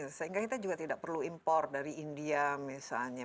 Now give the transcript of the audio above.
sehingga kita juga tidak perlu impor dari india misalnya